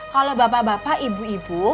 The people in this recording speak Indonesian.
kalau bapak bapak ibu ibu